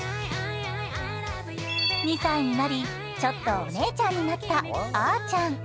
２歳になり、ちょっとお姉ちゃんになった、あーちゃん。